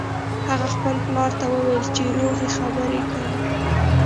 هغه خپل پلار ته وویل چې روغې خبرې کوه